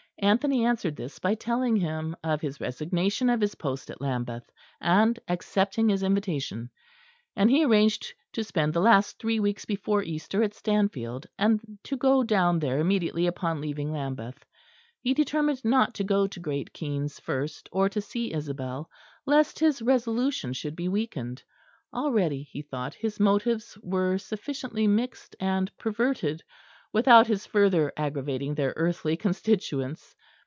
Anthony answered this by telling him of his resignation of his post at Lambeth, and accepting his invitation; and he arranged to spend the last three weeks before Easter at Stanfield, and to go down there immediately upon leaving Lambeth. He determined not to go to Great Keynes first, or to see Isabel, lest his resolution should be weakened. Already, he thought, his motives were sufficiently mixed and perverted without his further aggravating their earthly constituents.